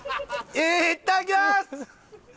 いただきます！